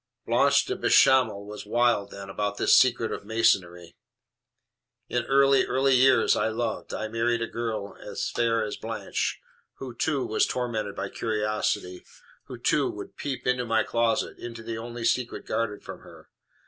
"Blanche de Bechamel was wild, then, about this secret of Masonry. In early, early days I loved, I married a girl fair as Blanche, who, too, was tormented by curiosity, who, too, would peep into my closet, into the only secret guarded from her.